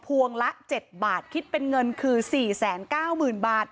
พวงละ๗บาทคิดเป็นเงินคือ๔๙๐๐๐บาท